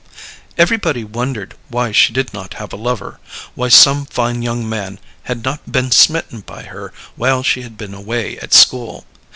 Everybody wondered why she did not have a lover, why some fine young man had not been smitten by her while she had been away at school.